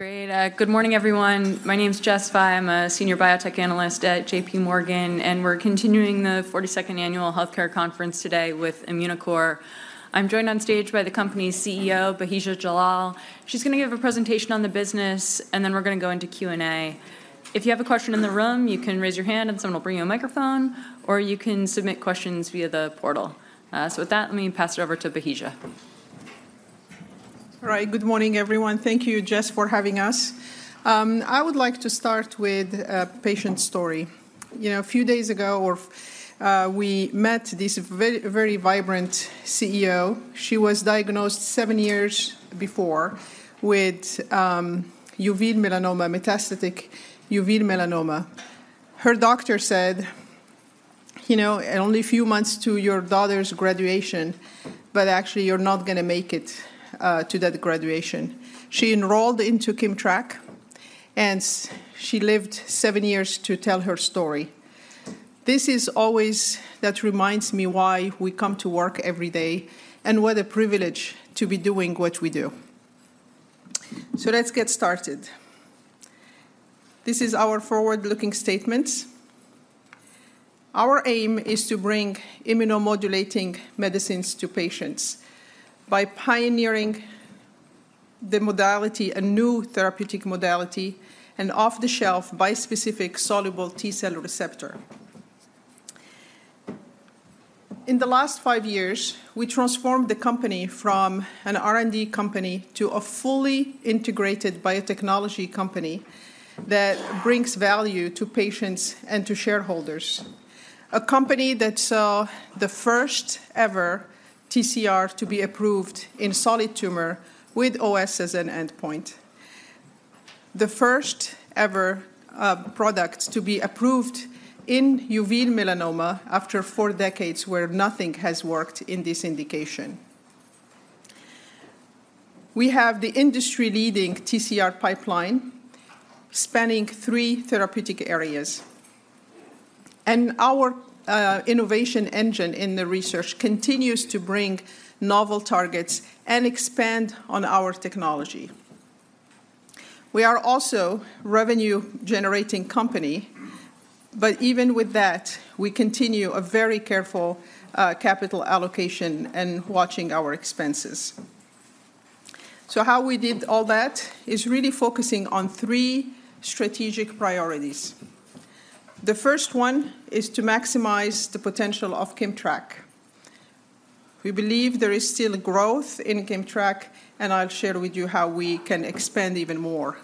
Great, good morning, everyone. My name's Jess Fye. I'm a senior biotech analyst at JPMorgan, and we're continuing the 42nd annual Healthcare Conference today with Immunocore. I'm joined on stage by the company's CEO, Bahija Jallal. She's gonna give a presentation on the business, and then we're gonna go into Q&A. If you have a question in the room, you can raise your hand, and someone will bring you a microphone, or you can submit questions via the portal. So with that, let me pass it over to Bahija. All right. Good morning, everyone. Thank you, Jess, for having us. I would like to start with a patient story. You know, a few days ago, we met this very vibrant CEO. She was diagnosed seven years before with uveal melanoma, metastatic uveal melanoma. Her doctor said, "You know, and only a few months to your daughter's graduation, but actually, you're not gonna make it to that graduation." She enrolled into KIMMTRAK, and she lived seven years to tell her story. This is always, that reminds me why we come to work every day and what a privilege to be doing what we do. So let's get started. This is our forward-looking statements. Our aim is to bring immunomodulating medicines to patients by pioneering the modality, a new therapeutic modality, an off-the-shelf, bispecific soluble T-cell receptor. In the last five years, we transformed the company from an R&D company to a fully integrated biotechnology company that brings value to patients and to shareholders. A company that saw the first ever TCR to be approved in solid tumor with OS as an endpoint. The first ever, product to be approved in uveal melanoma after four decades where nothing has worked in this indication. We have the industry-leading TCR pipeline spanning three therapeutic areas, and our, innovation engine in the research continues to bring novel targets and expand on our technology. We are also revenue-generating company, but even with that, we continue a very careful, capital allocation and watching our expenses. So how we did all that is really focusing on three strategic priorities. The first one is to maximize the potential of KIMMTRAK. We believe there is still growth in KIMMTRAK, and I'll share with you how we can expand even more.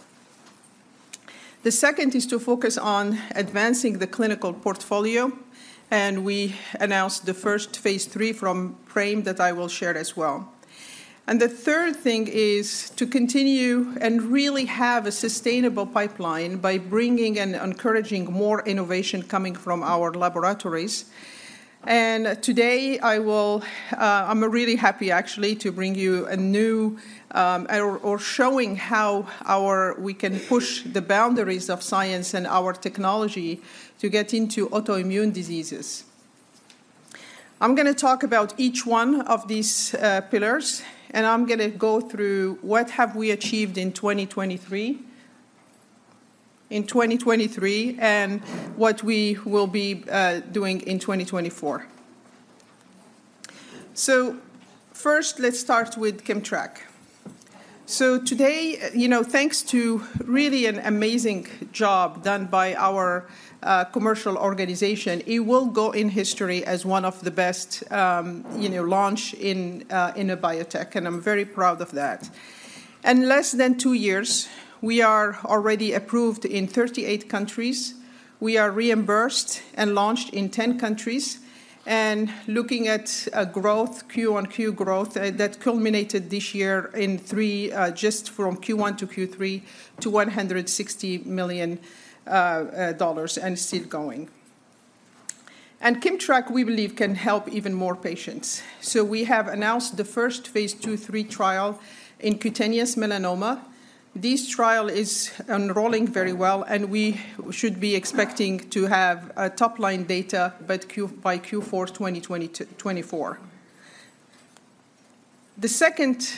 The second is to focus on advancing the clinical portfolio, and we announced the first phase III PRISM that I will share as well. The third thing is to continue and really have a sustainable pipeline by bringing and encouraging more innovation coming from our laboratories. Today, I will, I'm really happy actually to bring you a new, or showing how our we can push the boundaries of science and our technology to get into autoimmune diseases. I'm gonna talk about each one of these, pillars, and I'm gonna go through what have we achieved in 2023, in 2023, and what we will be, doing in 2024. So first, let's start with KIMMTRAK. So today, you know, thanks to really an amazing job done by our commercial organization, it will go in history as one of the best, you know, launch in a biotech, and I'm very proud of that. In less than two years, we are already approved in 38 countries. We are reimbursed and launched in 10 countries and looking at a growth, QoQ growth, that culminated this year in three, just from Q1-Q3, to $160 million, and still going. And KIMMTRAK, we believe, can help even more patients. So we have announced the first phase II/III trial in cutaneous melanoma. This trial is enrolling very well, and we should be expecting to have a top-line data by Q4 2024. The second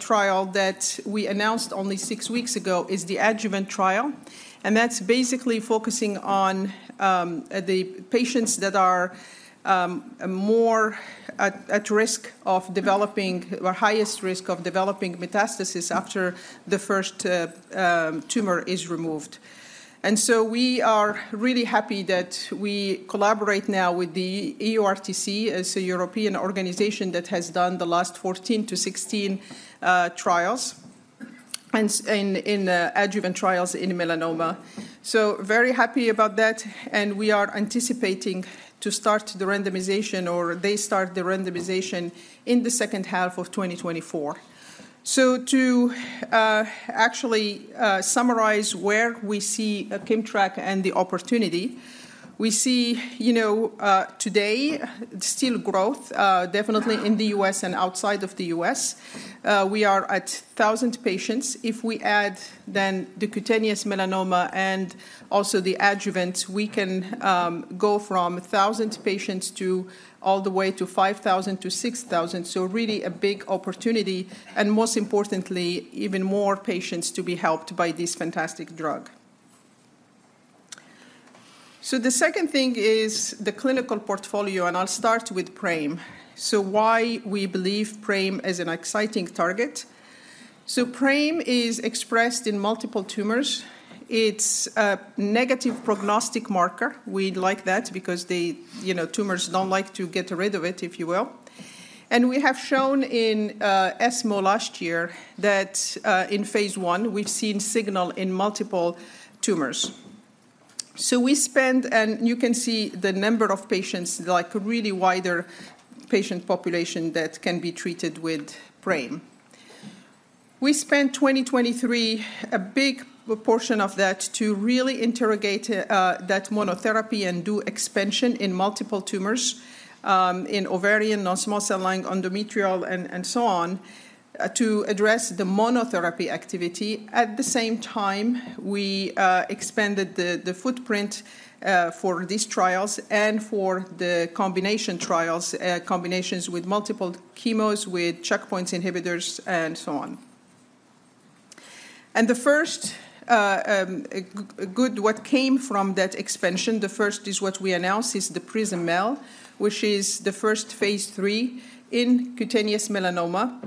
trial that we announced only six weeks ago is the adjuvant trial, and that's basically focusing on the patients that are more at risk of developing or highest risk of developing metastasis after the first tumor is removed. And so we are really happy that we collaborate now with the EORTC. It's a European organization that has done the last 14-16 trials and in adjuvant trials in melanoma. So very happy about that, and we are anticipating to start the randomization, or they start the randomization in the second half of 2024. So to actually summarize where we see KIMMTRAK and the opportunity, we see, you know, today, still growth definitely in the U.S. and outside of the U.S. We are at 1,000 patients. If we add then the cutaneous melanoma and also the adjuvant, we can go from 1,000 patients to all the way to 5,000-6,000 patients. So really a big opportunity, and most importantly, even more patients to be helped by this fantastic drug. So the second thing is the clinical portfolio, and I'll start with PRAME. So why we believe PRAME is an exciting target? So PRAME is expressed in multiple tumors. It's a negative prognostic marker. We like that because the, you know, tumors don't like to get rid of it, if you will. And we have shown in ESMO last year that in phase I, we've seen signal in multiple tumors. And you can see the number of patients, like a really wider patient population that can be treated with PRAME. We spent 2023, a big portion of that, to really interrogate that monotherapy and do expansion in multiple tumors, in ovarian, non-small cell lung, endometrial, and so on, to address the monotherapy activity. At the same time, we expanded the footprint for these trials and for the combination trials, combinations with multiple chemos, with checkpoint inhibitors, and so on. And the first what came from that expansion, the first is what we announced, is the PRISM-MEL, which is the first phase III in cutaneous melanoma.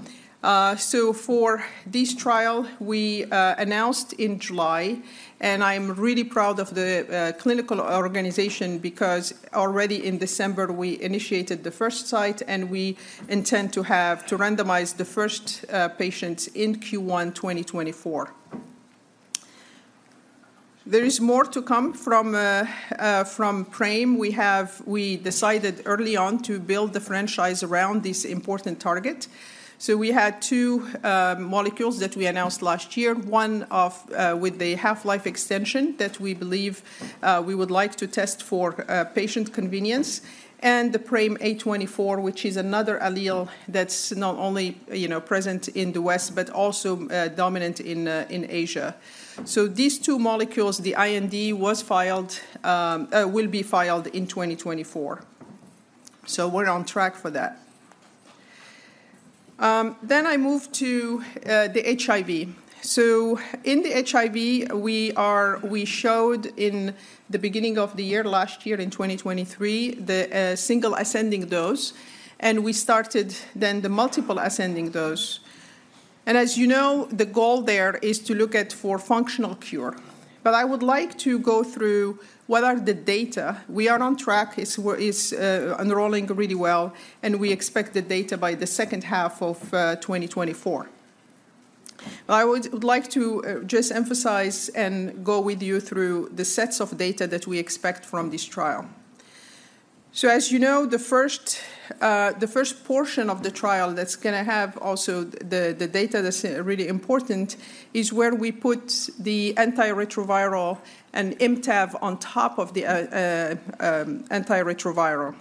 So for this trial, we announced in July, and I'm really proud of the clinical organization because already in December, we initiated the first site, and we intend to have to randomize the first patients in Q1 2024. There is more to come from PRAME. We decided early on to build the franchise around this important target. So we had two molecules that we announced last year. One of with the half-life extension that we believe we would like to test for patient convenience, and the PRAME-A24, which is another allele that's not only, you know, present in the West, but also dominant in Asia. So these two molecules, the IND was filed, will be filed in 2024. So we're on track for that. Then I move to the HIV. So in the HIV, we showed in the beginning of the year, last year in 2023, the single ascending dose, and we started then the multiple ascending dose. And as you know, the goal there is to look at for functional cure. But I would like to go through what are the data. We are on track. It's unrolling really well, and we expect the data by the second half of 2024. I would like to just emphasize and go with you through the sets of data that we expect from this trial. So as you know, the first portion of the trial that's gonna have also the data that's really important is where we put the antiretroviral and ImmTAV on top of the antiretroviral.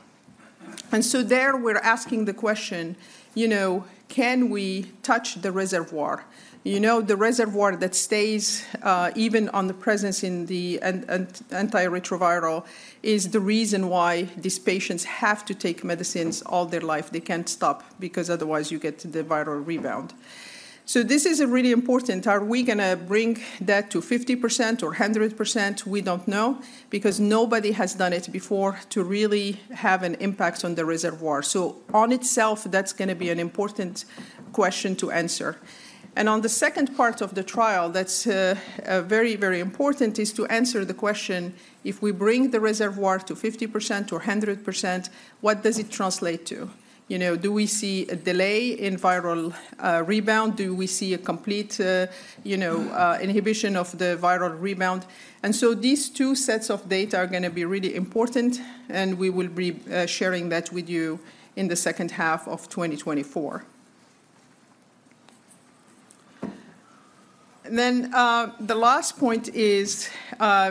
And so there, we're asking the question: you know, "Can we touch the reservoir?" You know, the reservoir that stays even on the presence in the antiretroviral is the reason why these patients have to take medicines all their life. They can't stop because otherwise you get the viral rebound. So this is really important. Are we gonna bring that to 50% or 100%? We don't know, because nobody has done it before to really have an impact on the reservoir. So on itself, that's gonna be an important question to answer. And on the second part of the trial, that's very, very important, is to answer the question: if we bring the reservoir to 50% or 100%, what does it translate to? You know, do we see a delay in viral rebound? Do we see a complete, you know, inhibition of the viral rebound? And so these two sets of data are gonna be really important, and we will be sharing that with you in the second half of 2024. Then the last point is,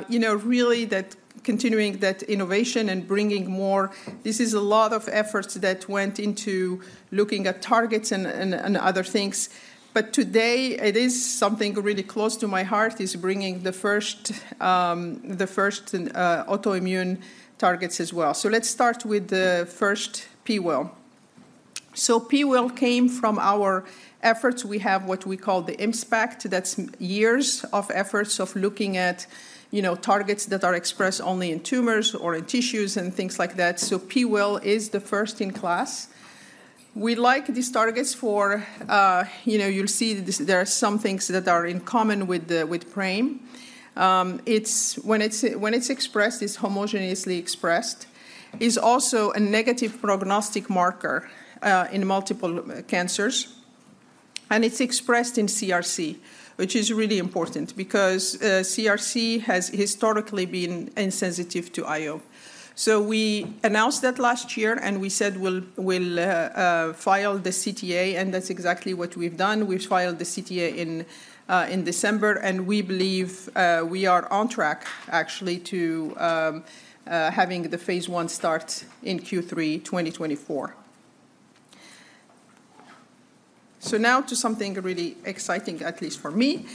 you know, really that continuing that innovation and bringing more. This is a lot of efforts that went into looking at targets and other things. But today, it is something really close to my heart, is bringing the first autoimmune targets as well. So let's start with the first PIWIL1. So PIWIL1 came from our efforts. We have what we call the ImmTAX. That's years of efforts of looking at, you know, targets that are expressed only in tumors or in tissues and things like that. So PIWIL1 is the first in class. We like these targets for, you know, you'll see this, there are some things that are in common with PRAME. It's. When it's expressed, it's homogeneously expressed. It's also a negative prognostic marker in multiple cancers, and it's expressed in CRC, which is really important because CRC has historically been insensitive to IO. So we announced that last year, and we said we'll file the CTA, and that's exactly what we've done. We've filed the CTA in December, and we believe we are on track actually to having the phase I start in Q3 2024. So now to something really exciting, at least for me,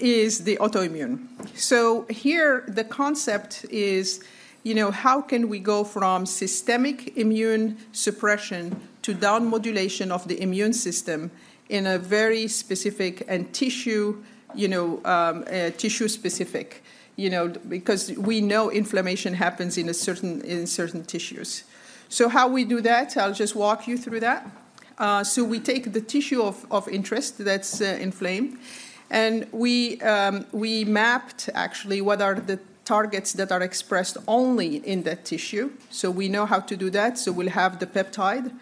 is the autoimmune. So here, the concept is you know, how can we go from systemic immune suppression to down-modulation of the immune system in a very specific and tissue specific? You know, because we know inflammation happens in certain tissues. So how we do that, I'll just walk you through that. So we take the tissue of interest that's inflamed, and we mapped actually what are the targets that are expressed only in that tissue. So we know how to do that, so we'll have the peptide.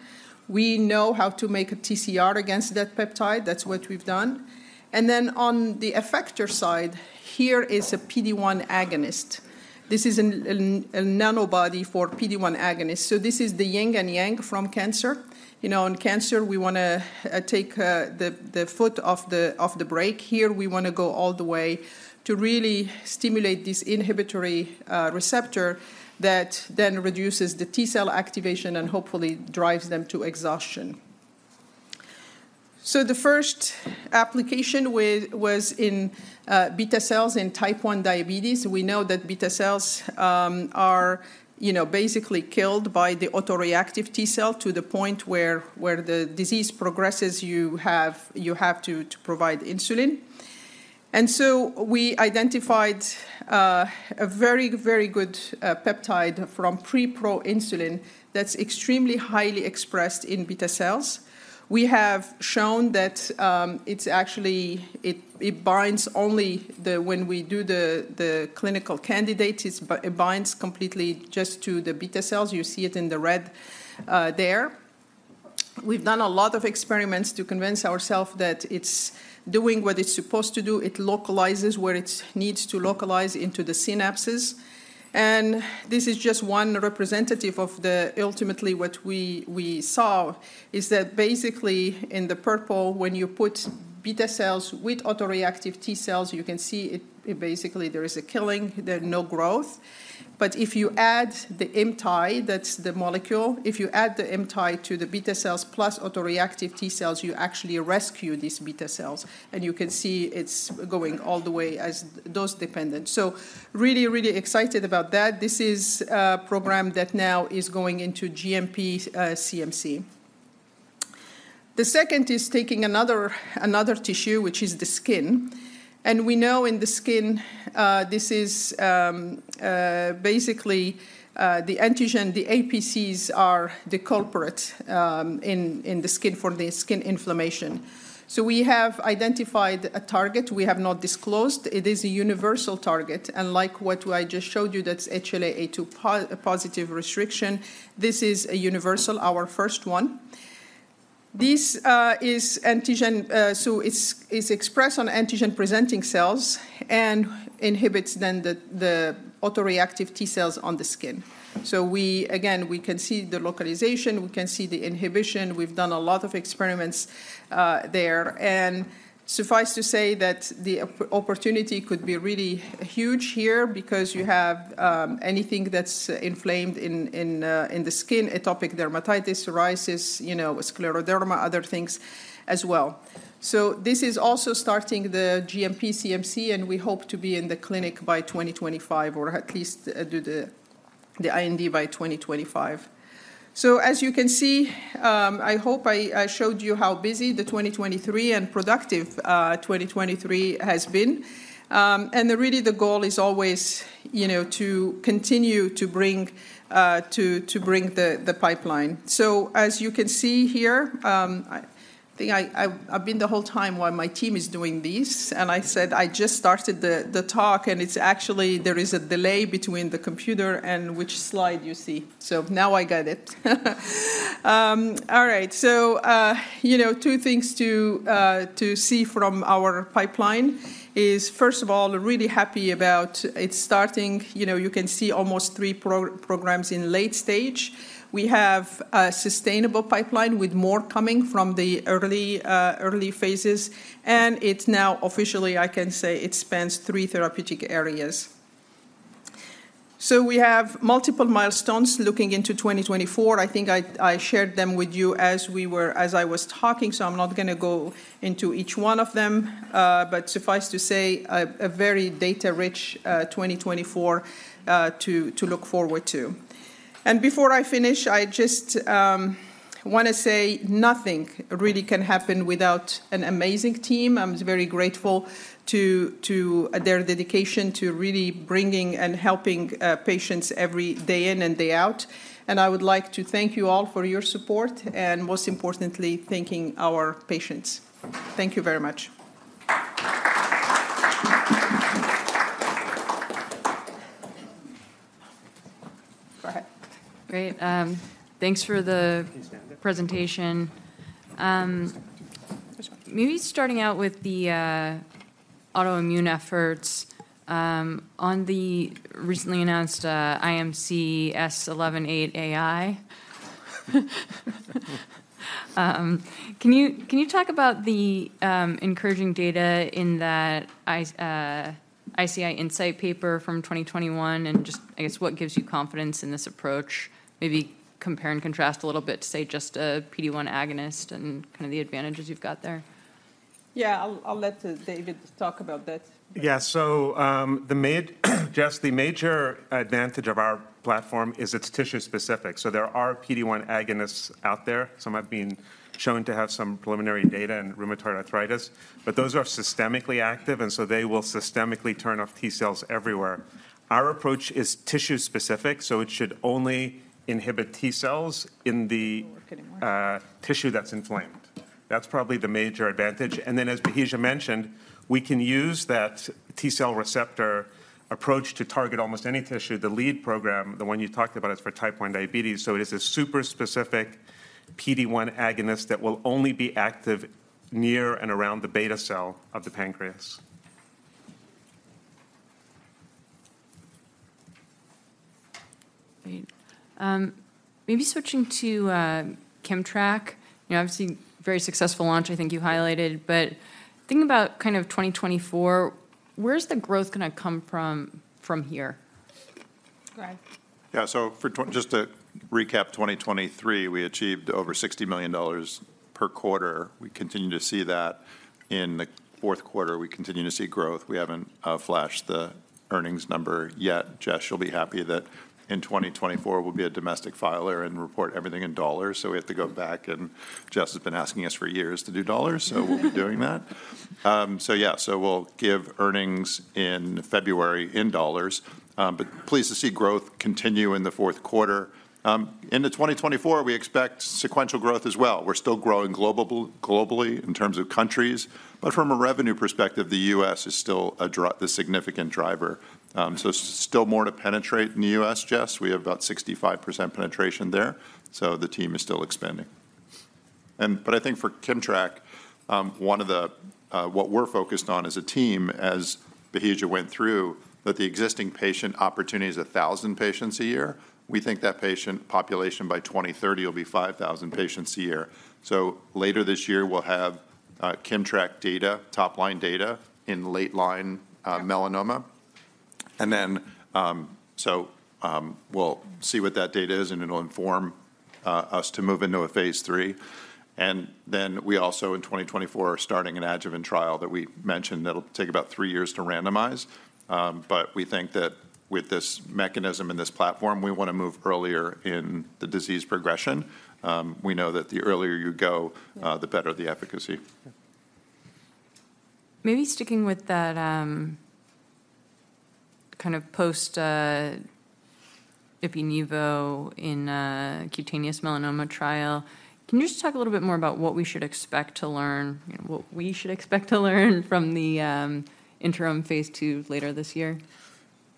We know how to make a TCR against that peptide. That's what we've done. And then on the effector side, here is a PD-1 agonist. This is a nanobody for PD-1 agonist. So this is the yin and yang from cancer. You know, in cancer, we wanna take the foot off the brake. Here, we wanna go all the way to really stimulate this inhibitory receptor, that then reduces the T cell activation and hopefully drives them to exhaustion. So the first application was in β-cells in Type 1 diabetes. We know that β-cells are, you know, basically killed by the autoreactive T cell, to the point where the disease progresses, you have to provide insulin. And so we identified a very, very good peptide from preproinsulin that's extremely highly expressed in β-cells. We have shown that it's actually it binds only when we do the clinical candidate, it binds completely just to the β-cells. You see it in the red there. We've done a lot of experiments to convince ourselves that it's doing what it's supposed to do. It localizes where it needs to localize into the synapses. And this is just one representative of the... Ultimately, what we saw is that basically in the purple, when you put β-cells with autoreactive T cells, you can see it, basically, there is a killing, there are no growth. But if you add the ImmTAAI, that's the molecule, if you add the ImmTAAI to the β-cells plus autoreactive T cells, you actually rescue these β-cells, and you can see it's going all the way as dose-dependent. So really, really excited about that. This is a program that now is going into GMP, CMC. The second is taking another tissue, which is the skin. And we know in the skin, this is basically the antigen, the APCs are the culprit in the skin for the skin inflammation. So we have identified a target we have not disclosed. It is a universal target, unlike what I just showed you, that's HLA-A2 positive restriction. This is a universal, our first one. This is antigen, so it's expressed on antigen-presenting cells and inhibits the autoreactive T cells on the skin. So we, again, we can see the localization, we can see the inhibition. We've done a lot of experiments there. And suffice to say that the opportunity could be really huge here because you have anything that's inflamed in the skin, atopic dermatitis, psoriasis, you know, scleroderma, other things as well. So this is also starting the GMP CMC, and we hope to be in the clinic by 2025, or at least do the IND by 2025. So as you can see, I hope I showed you how busy the 2023 and productive 2023 has been. And really, the goal is always, you know, to continue to bring to bring the pipeline. So as you can see here, I think I've been the whole time while my team is doing this, and I said I just started the talk, and it's actually there is a delay between the computer and which slide you see. So now I got it. All right. So, you know, two things to see from our pipeline is, first of all, really happy about it's starting—you know, you can see almost three programs in late stage. We have a sustainable pipeline with more coming from the early phases, and it's now officially, I can say, it spans three therapeutic areas. So we have multiple milestones looking into 2024. I think I shared them with you as I was talking, so I'm not gonna go into each one of them. But suffice to say, a very data-rich 2024 to look forward to. And before I finish, I just want to say nothing really can happen without an amazing team. I'm very grateful to their dedication to really bringing and helping patients every day in and day out. And I would like to thank you all for your support, and most importantly, thanking our patients. Thank you very much. Go ahead. Great. Thanks for the- You can stand up.... presentation. Maybe starting out with the, autoimmune efforts, on the recently announced, IMC-S118AI. Can you, can you talk about the, encouraging data in that IO Insight paper from 2021, and just, I guess, what gives you confidence in this approach? Maybe compare and contrast a little bit to, say, just a PD-1 agonist and kind of the advantages you've got there.... Yeah, I'll let David talk about that. Yeah, so, Jess, the major advantage of our platform is it's tissue-specific. So there are PD-1 agonists out there. Some have been shown to have some preliminary data in rheumatoid arthritis, but those are systemically active, and so they will systemically turn off T cells everywhere. Our approach is tissue-specific, so it should only inhibit T cells in the- Working more... tissue that's inflamed. That's probably the major advantage. And then, as Bahija mentioned, we can use that T cell receptor approach to target almost any tissue. The lead program, the one you talked about, is for type 1 diabetes, so it is a super specific PD-1 agonist that will only be active near and around the β-cell of the pancreas. Great. Maybe switching to KIMMTRAK. You know, obviously, very successful launch, I think you highlighted, but thinking about kind of 2024, where's the growth going to come from, from here? Go ahead. Yeah, so just to recap, 2023, we achieved over $60 million per quarter. We continue to see that in the fourth quarter. We continue to see growth. We haven't flashed the earnings number yet. Jess, you'll be happy that in 2024, we'll be a domestic filer and report everything in dollars, so we have to go back, and Jess has been asking us for years to do dollars—so we'll be doing that. So yeah, so we'll give earnings in February in dollars, but pleased to see growth continue in the fourth quarter. Into 2024, we expect sequential growth as well. We're still growing globally in terms of countries, but from a revenue perspective, the U.S. is still the significant driver. So still more to penetrate in the U.S., Jess. We have about 65% penetration there, so the team is still expanding. And I think for KIMMTRAK, one of the what we're focused on as a team, as Bahija went through, that the existing patient opportunity is 1,000 patients a year. We think that patient population by 2030 will be 5,000 patients a year. So later this year, we'll have KIMMTRAK data, top-line data, in late-line melanoma. And then, we'll see what that data is, and it'll inform us to move into a phase III. And then we also, in 2024, are starting an adjuvant trial that we mentioned that'll take about 3 years to randomize. But we think that with this mechanism and this platform, we want to move earlier in the disease progression. We know that the earlier you go- Yeah... the better the efficacy. Maybe sticking with that, kind of post ipi/nivo in a cutaneous melanoma trial, can you just talk a little bit more about what we should expect to learn from the interim phase II later this year?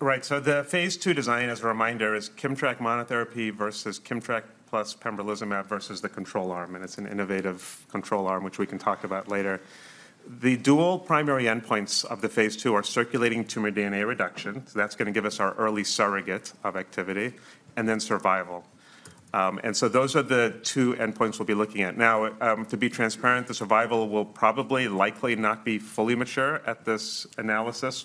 Right. So the phase II design, as a reminder, is KIMMTRAK monotherapy versus KIMMTRAK plus pembrolizumab versus the control arm, and it's an innovative control arm, which we can talk about later. The dual primary endpoints of the phase II are circulating tumor DNA reduction, so that's going to give us our early surrogate of activity, and then survival. And so those are the two endpoints we'll be looking at. Now, to be transparent, the survival will probably likely not be fully mature at this analysis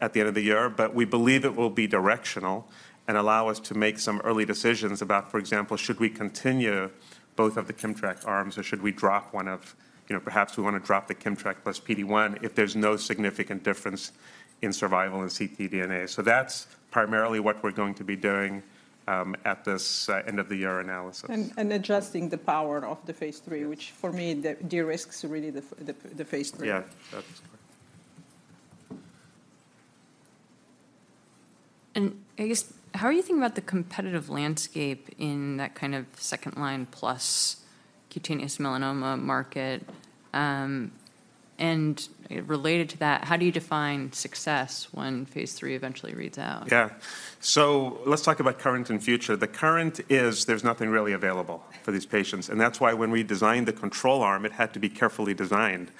at the end of the year, but we believe it will be directional and allow us to make some early decisions about, for example, should we continue both of the KIMMTRAK arms, or should we drop one of-- You know, perhaps we want to drop the KIMMTRAK plus PD-1 if there's no significant difference in survival in ctDNA. So that's primarily what we're going to be doing at this end-of-the-year analysis. Adjusting the power of the phase III- Yes... which for me, the de-risks really the phase III. Yeah, that's correct. I guess, how are you thinking about the competitive landscape in that kind of second-line plus cutaneous melanoma market? And related to that, how do you define success when phase III eventually reads out? Yeah. So let's talk about current and future. The current is there's nothing really available for these patients, and that's why when we designed the control arm, it had to be carefully designed.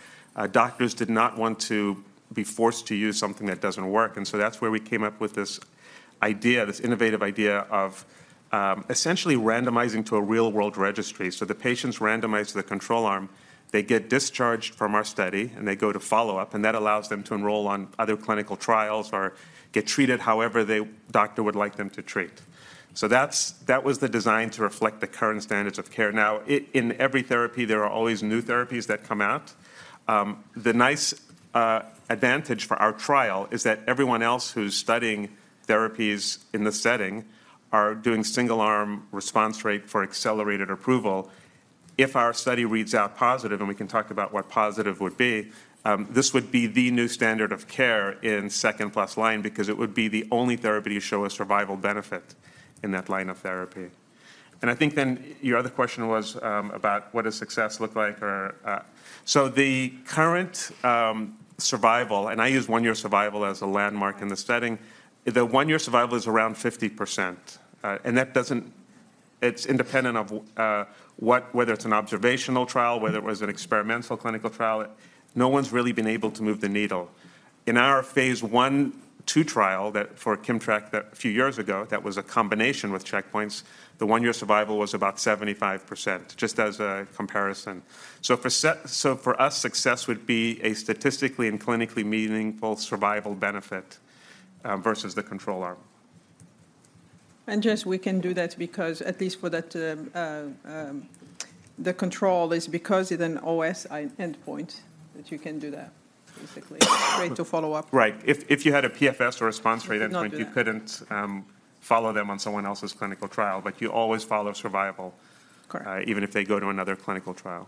Doctors did not want to be forced to use something that doesn't work, and so that's where we came up with this idea, this innovative idea of essentially randomizing to a real-world registry. So the patients randomized to the control arm, they get discharged from our study, and they go to follow-up, and that allows them to enroll on other clinical trials or get treated however they- doctor would like them to treat. So that's- that was the design to reflect the current standards of care. Now, in every therapy, there are always new therapies that come out. The nice, advantage for our trial is that everyone else who's studying therapies in this setting are doing single-arm response rate for accelerated approval. If our study reads out positive, and we can talk about what positive would be, this would be the new standard of care in second plus line because it would be the only therapy to show a survival benefit in that line of therapy. And I think then your other question was, about what does success look like or... So the current, survival, and I use one-year survival as a landmark in this setting, the one-year survival is around 50%. And that doesn't-- It's independent of what-- whether it's an observational trial, whether it was an experimental clinical trial. No one's really been able to move the needle. In our phase I, II trial for KIMMTRAK that a few years ago, that was a combination with checkpoints, the one-year survival was about 75%, just as a comparison. So for us, success would be a statistically and clinically meaningful survival benefit versus the control arm.... And Jess, we can do that because at least for that, the control is because it's an OS endpoint that you can do that basically. Way to follow up. Right. If you had a PFS or response rate endpoint- You could not do it. You couldn't, follow them on someone else's clinical trial, but you always follow survival- Correct... even if they go to another clinical trial.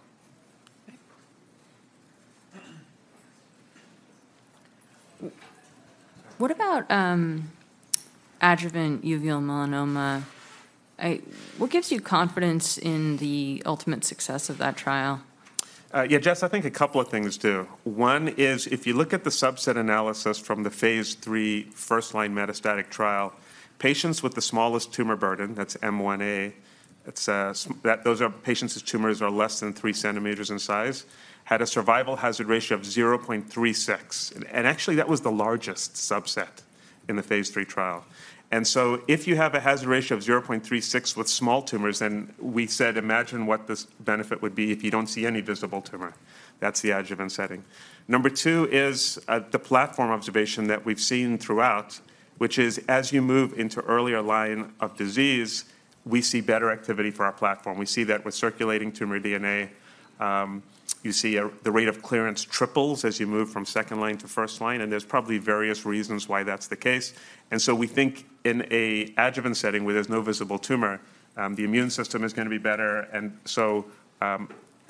Right. What about adjuvant uveal melanoma? What gives you confidence in the ultimate success of that trial? Yeah, Jess, I think a couple of things do. One is if you look at the subset analysis from the phase III first-line metastatic trial, patients with the smallest tumor burden, that's M1a, it's that those are patients whose tumors are less than 3 cm in size, had a survival hazard ratio of 0.36. And actually, that was the largest subset in the phase III trial. And so if you have a hazard ratio of 0.36 with small tumors, then we said, imagine what this benefit would be if you don't see any visible tumor. That's the adjuvant setting. Number two is the platform observation that we've seen throughout, which is as you move into earlier line of disease, we see better activity for our platform. We see that with circulating tumor DNA. You see, the rate of clearance triples as you move from second line to first line, and there's probably various reasons why that's the case. And so we think in an adjuvant setting where there's no visible tumor, the immune system is gonna be better. And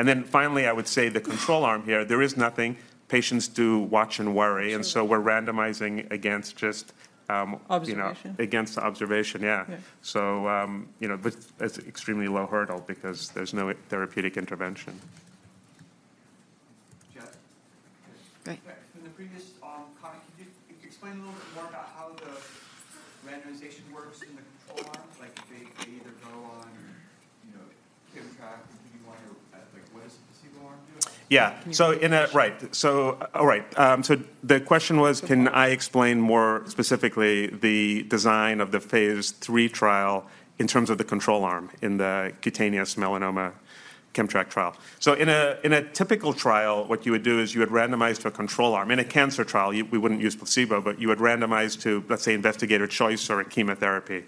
then finally, I would say the control arm here, there is nothing. Patients do watch and worry-and so we're randomizing against just, you know- Observation. Against observation, yeah. Yeah. You know, but that's an extremely low hurdle because there's no therapeutic intervention. Jess? Right. From the previous comment, could you explain a little bit more about how the randomization works in the control arm? Like, they either go on, you know, checkpoint PD-1 or, like, what does the placebo arm do? Yeah. So... Right. So, all right, so the question was, can I explain more specifically the design of the phase III trial in terms of the control arm in the cutaneous melanoma KIMMTRAK trial? So in a typical trial, what you would do is you would randomize to a control arm. In a cancer trial, you, we wouldn't use placebo, but you would randomize to, let's say, investigator choice or a chemotherapy.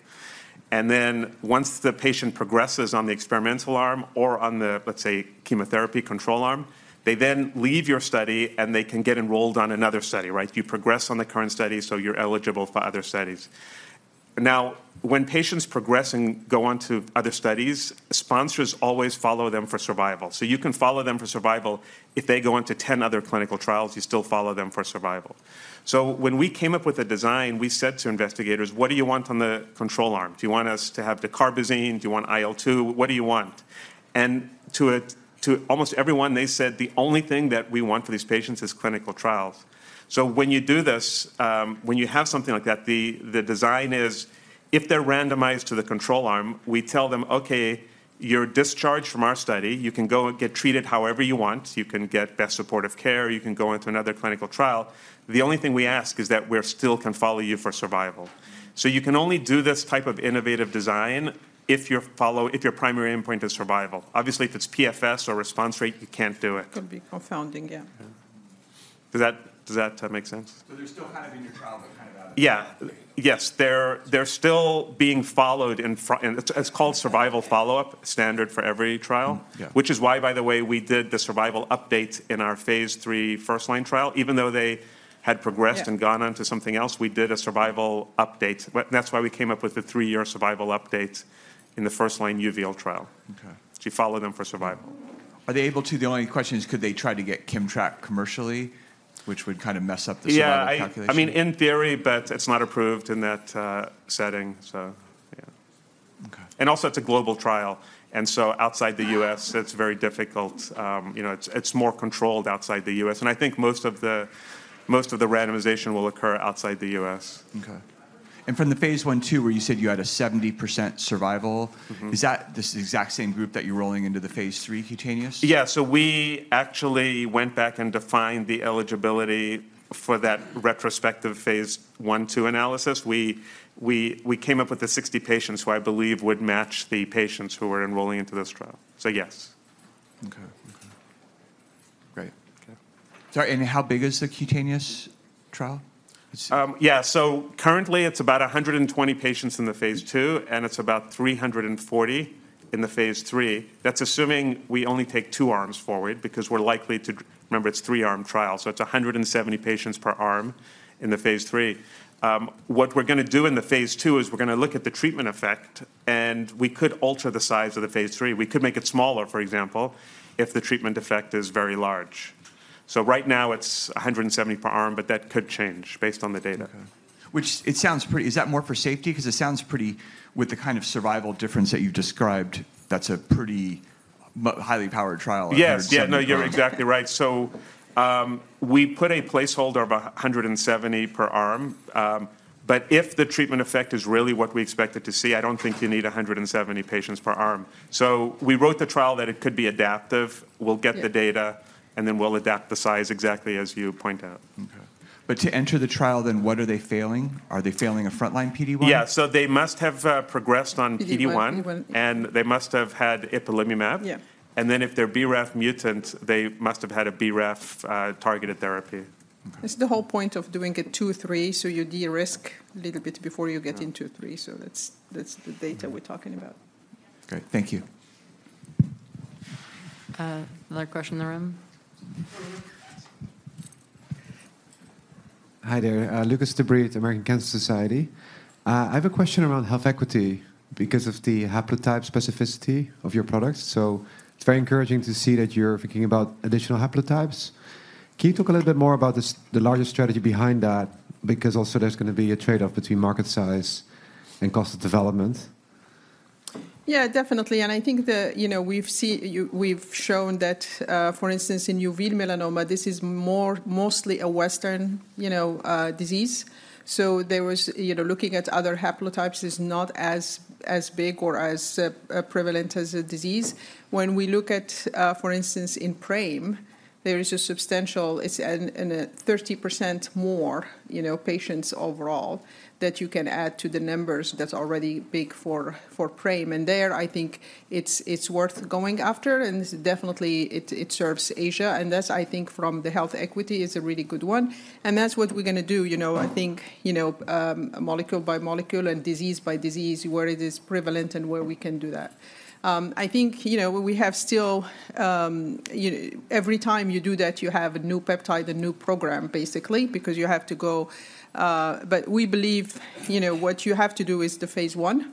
And then once the patient progresses on the experimental arm or on the, let's say, chemotherapy control arm, they then leave your study, and they can get enrolled on another study, right? You progress on the current study, so you're eligible for other studies. Now, when patients progress and go on to other studies, sponsors always follow them for survival. So you can follow them for survival. If they go on to 10 other clinical trials, you still follow them for survival. So when we came up with a design, we said to investigators, "What do you want on the control arm? Do you want us to have dacarbazine? Do you want IL-2? What do you want?" And to almost everyone, they said, "The only thing that we want for these patients is clinical trials." So when you do this, when you have something like that, the design is if they're randomized to the control arm, we tell them, "Okay, you're discharged from our study. You can go and get treated however you want. You can get best supportive care. You can go into another clinical trial. The only thing we ask is that we still can follow you for survival. So you can only do this type of innovative design if your primary endpoint is survival. Obviously, if it's PFS or response rate, you can't do it. It can be confounding, yeah. Yeah. Does that make sense? They're still kind of in your trial, but kind of out of it. Yeah. Yes, they're still being followed in follow-up, and it's called survival follow-up, standard for every trial. Mm-hmm. Yeah. Which is why, by the way, we did the survival update in our phase III first-line trial. Even though they had progressed- Yeah ...and gone on to something else, we did a survival update. But that's why we came up with the three-year survival update in the first-line uveal trial. Okay. You follow them for survival. Are they able to... The only question is, could they try to get KIMMTRAK commercially, which would kind of mess up the survival calculation? Yeah, I mean, in theory, but it's not approved in that setting, so yeah. Okay. Also, it's a global trial, and so outside the U.S., it's very difficult. You know, it's more controlled outside the U.S., and I think most of the randomization will occur outside the U.S. Okay. From the phase I, II, where you said you had a 70% survival- Mm-hmm... is that this exact same group that you're rolling into the phase III cutaneous? Yeah, so we actually went back and defined the eligibility for that retrospective phase I, II analysis. We came up with the 60 patients who I believe would match the patients who were enrolling into this trial. So yes. Okay. Okay, great. Okay. Sorry, and how big is the cutaneous trial? Let's see. Yeah, so currently, it's about 120 patients in the phase II, and it's about 340 patients in the phase III. That's assuming we only take two arms forward because we're likely to... Remember, it's a three-arm trial, so it's 170 patients per arm in the phase III. What we're gonna do in the phase II is we're gonna look at the treatment effect, and we could alter the size of the phase III. We could make it smaller, for example, if the treatment effect is very large. So right now, it's 170 per arm, but that could change based on the data. Okay. Which it sounds pretty. Is that more for safety? 'Cause it sounds pretty, with the kind of survival difference that you've described, that's a pretty highly powered trial, 170 per arm. Yes. Yeah, no, you're exactly right. So, we put a placeholder of 170 per arm. But if the treatment effect is really what we expected to see, I don't think you need 170 patients per arm. So we wrote the trial that it could be adaptive. Yeah. We'll get the data, and then we'll adapt the size exactly as you point out. Okay. But to enter the trial, then what are they failing? Are they failing a frontline PD-1? Yeah, so they must have progressed on PD-1. PD-1. They must have had ipilimumab. Yeah. And then if they're BRAF mutant, they must have had a BRAF targeted therapy.... That's the whole point of doing it phase II, phase III, so you de-risk a little bit before you get into phase III. So that's the data we're talking about. Great. Thank you. Another question in the room? Hi there, Lucas De Breed, the American Cancer Society. I have a question around health equity because of the haplotype specificity of your products. So it's very encouraging to see that you're thinking about additional haplotypes. Can you talk a little bit more about the larger strategy behind that? Because also there's gonna be a trade-off between market size and cost of development. Yeah, definitely. And I think that, you know, we've shown that, for instance, in uveal melanoma, this is more, mostly a Western, you know, disease. So there was, you know, looking at other haplotypes is not as, as big or as, prevalent as a disease. When we look at, for instance, in PRAME, there is a substantial, it's an, 30% more, you know, patients overall that you can add to the numbers that's already big for, for PRAME. And there, I think it's, it's worth going after, and definitely, it, it serves Asia. And that's, I think, from the health equity, is a really good one, and that's what we're gonna do. You know, I think, you know, molecule by molecule and disease by disease, where it is prevalent and where we can do that. I think, you know, we have still every time you do that, you have a new peptide, a new program, basically, because you have to go. But we believe, you know, what you have to do is the phase I,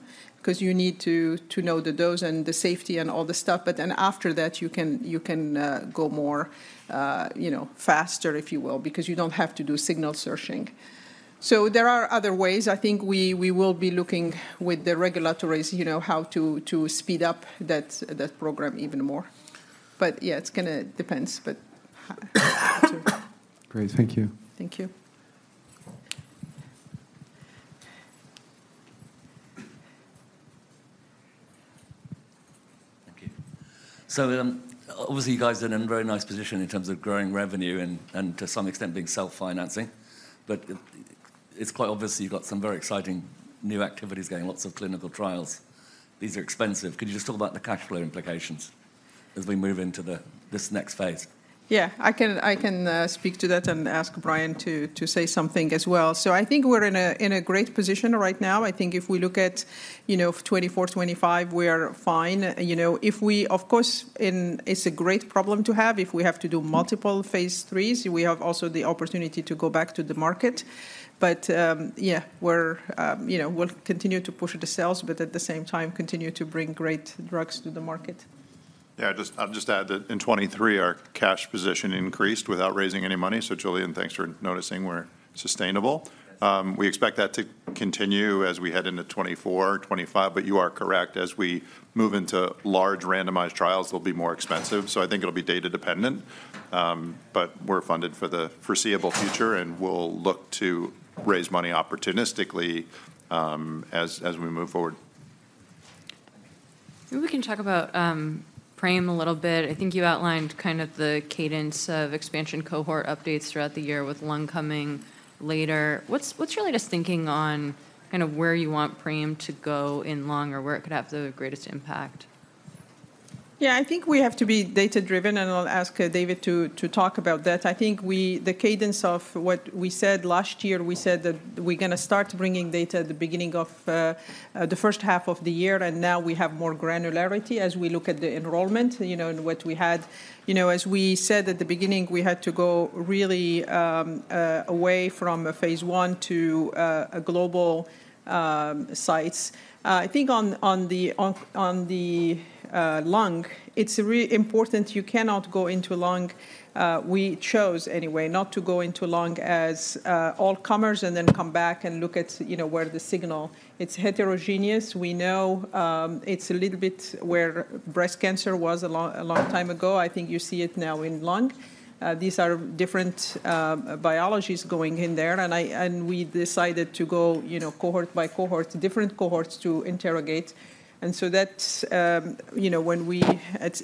'cause you need to, to know the dose and the safety and all the stuff. But then after that, you can, you can go more, you know, faster, if you will, because you don't have to do signal searching. So there are other ways. I think we, we will be looking with the regulators, you know, how to, to speed up that, that program even more. But yeah, it's gonna depends, but. Great. Thank you. Thank you. So, obviously, you guys are in a very nice position in terms of growing revenue and, and to some extent being self-financing. But it, it's quite obvious that you've got some very exciting new activities, getting lots of clinical trials. These are expensive. Could you just talk about the cash flow implications as we move into the, this next phase? Yeah, I can, I can, speak to that and ask Brian to, to say something as well. So I think we're in a great position right now. I think if we look at, you know, 2024, 2025, we are fine. You know, if we—of course, it's a great problem to have if we have to do multiple phase IIIs. We have also the opportunity to go back to the market. But, yeah, we're, you know, we'll continue to push the sales, but at the same time, continue to bring great drugs to the market. Yeah, I'll just, I'll just add that in 2023, our cash position increased without raising any money. So, Julian, thanks for noticing we're sustainable. We expect that to continue as we head into 2024, 2025. But you are correct, as we move into large randomized trials, they'll be more expensive, so I think it'll be data dependent. But we're funded for the foreseeable future, and we'll look to raise money opportunistically, as, as we move forward. Maybe we can talk about PRAME a little bit. I think you outlined kind of the cadence of expansion cohort updates throughout the year, with lung coming later. What's your latest thinking on kind of where you want PRAME to go in lung or where it could have the greatest impact? Yeah, I think we have to be data-driven, and I'll ask David to talk about that. I think we the cadence of what we said last year, we said that we're gonna start bringing data at the beginning of the first half of the year, and now we have more granularity as we look at the enrollment, you know, and what we had. You know, as we said at the beginning, we had to go really away from a phase I to a global sites. I think on the lung, it's really important you cannot go into lung. We chose, anyway, not to go into lung as all comers and then come back and look at you know, where the signal. It's heterogeneous. We know it's a little bit where breast cancer was a long time ago. I think you see it now in lung. These are different biologies going in there, and we decided to go, you know, cohort by cohort, different cohorts to interrogate. And so that's, you know, when we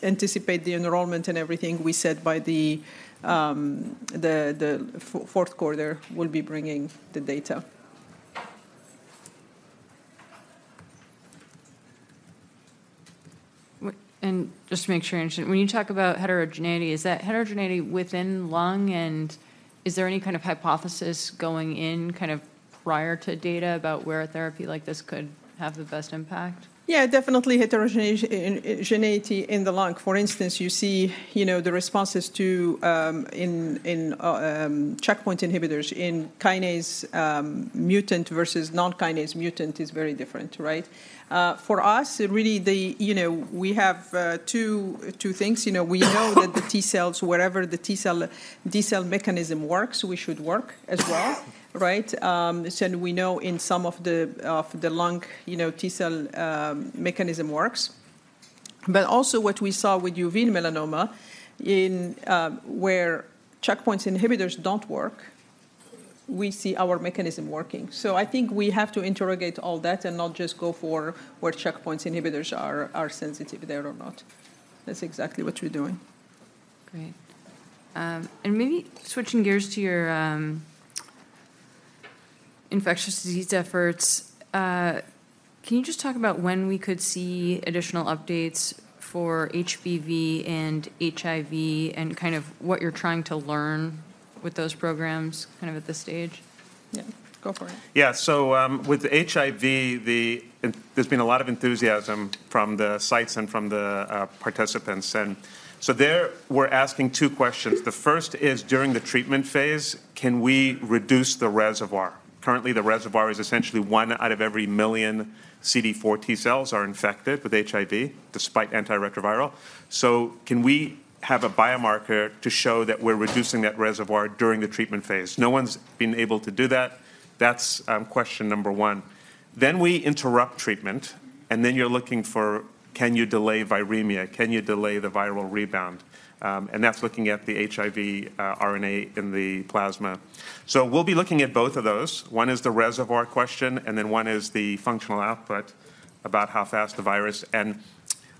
anticipate the enrollment and everything, we said by the fourth quarter, we'll be bringing the data. Just to make sure I understand, when you talk about heterogeneity, is that heterogeneity within lung, and is there any kind of hypothesis going in kind of prior to data about where a therapy like this could have the best impact? Yeah, definitely heterogeneity in the lung. For instance, you see, you know, the responses to checkpoint inhibitors in kinase mutant versus non-kinase mutant is very different, right? For us, really, the... You know, we have two things. You know, we know that the T cells, wherever the T cell mechanism works, we should work as well, right? So we know in some of the lung, you know, T cell mechanism works. But also what we saw with uveal melanoma, where checkpoint inhibitors don't work, we see our mechanism working. So I think we have to interrogate all that and not just go for where checkpoint inhibitors are sensitive there or not. That's exactly what we're doing. Great. Maybe switching gears to your infectious disease efforts, can you just talk about when we could see additional updates for HBV and HIV, and kind of what you're trying to learn with those programs kind of at this stage? Yeah, go for it. Yeah. So, with HIV, there's been a lot of enthusiasm from the sites and from the participants. And so there, we're asking two questions. The first is, during the treatment phase, can we reduce the reservoir? Currently, the reservoir is essentially one out of every million CD4 T cells are infected with HIV, despite antiretroviral. So can we have a biomarker to show that we're reducing that reservoir during the treatment phase? No one's been able to do that. That's question number one. Then we interrupt treatment, and then you're looking for, can you delay viremia? Can you delay the viral rebound? And that's looking at the HIV RNA in the plasma. So we'll be looking at both of those. One is the reservoir question, and then one is the functional output, about how fast the virus...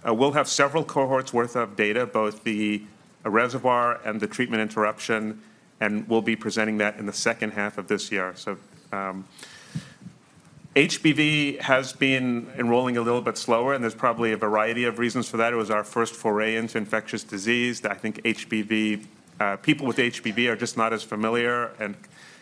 We'll have several cohorts worth of data, both the reservoir and the treatment interruption, and we'll be presenting that in the second half of this year. HBV has been enrolling a little bit slower, and there's probably a variety of reasons for that. It was our first foray into infectious disease. I think HBV, people with HBV are just not as familiar and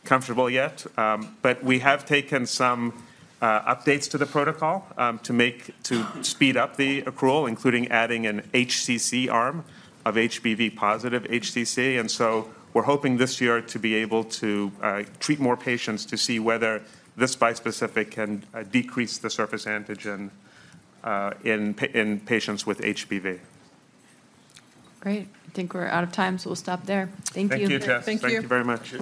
comfortable yet. But we have taken some updates to the protocol to speed up the accrual, including adding an HCC arm of HBV-positive HCC. We're hoping this year to be able to treat more patients to see whether this bispecific can decrease the surface antigen in patients with HBV. Great. I think we're out of time, so we'll stop there. Thank you. Thank you, Jess. Thank you. Thank you very much.